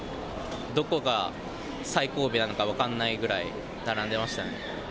どこが最後尾なのか分かんないぐらい並んでましたね。